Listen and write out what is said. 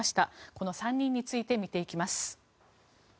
この３人について見ていきます。